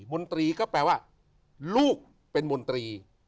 มนตรีก็แปลว่าลูกเป็นมนตรี